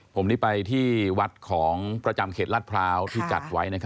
ผมได้ไปที่วัดของประจำเขตลาดพร้าวที่จัดไว้